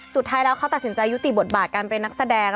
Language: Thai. สุดท้ายแล้วเขาตัดสินใจยุติบทบาทการเป็นนักแสดง